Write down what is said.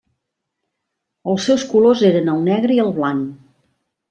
Els seus colors eren el negre i el blanc.